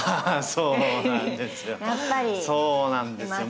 そうなんですよ。